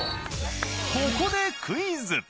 ここでクイズ。